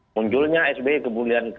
munculnya sby kemudian